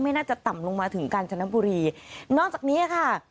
น่าจะต่ำลงมาถึงกาญจนบุรีนอกจากนี้ค่ะ